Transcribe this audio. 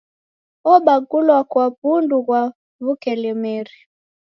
Obagulwa kwa w'undu ghwa w'ukelemeri.